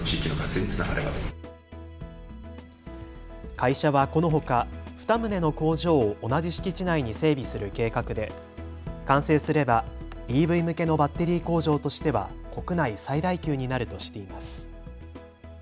会社はこのほか２棟の工場を同じ敷地内に整備する計画で完成すればＥＶ向けのバッテリー工場としては国内最大級になるとしています。